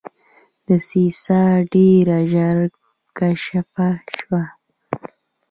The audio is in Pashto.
دسیسه ډېره ژر کشف شوه.